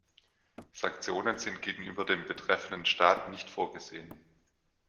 Sanktionen sind gegenüber dem betreffenden Staat nicht vorgesehen.